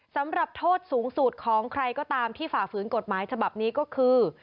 สำหรับโทษสูงสุดของใครก็ตามที่ฝ่าฝืนกฎหมายฉบับนี้ก็คือ